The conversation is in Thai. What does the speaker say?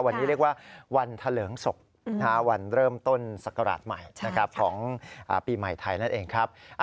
วันนี้เรียกว่าวันเถลิงศพวันเริ่มต้นศักราชใหม่ของปีใหม่ไทยนั่นเองครับ